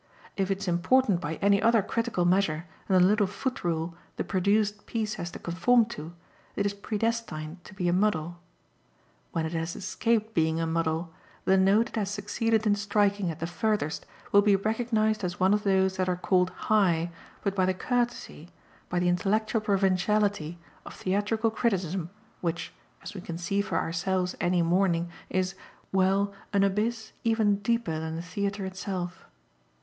If it's important by any other critical measure than the little foot rule the 'produced' piece has to conform to, it is predestined to be a muddle. When it has escaped being a muddle the note it has succeeded in striking at the furthest will be recognised as one of those that are called high but by the courtesy, by the intellectual provinciality, of theatrical criticism, which, as we can see for ourselves any morning, is well, an abyss even deeper than the theatre itself.